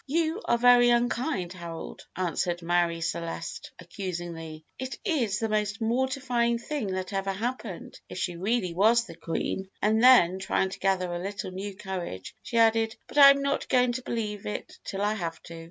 "You are very unkind, Harold," answered Marie Celeste accusingly. "It is the most mortifying thing that ever happened, if she really was the Queen," and then, trying to gather a little new courage, she added, "but I am not going to believe it till I have to.